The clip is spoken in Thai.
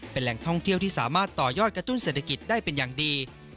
เป็นแหล่งท่องเที่ยวที่สามารถต่อยอดกระตุ้นเศรษฐกิจได้เป็นอย่างดี